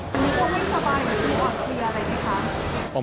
มีความไม่สบายหรือความเคลียร์อะไรด้วยครับ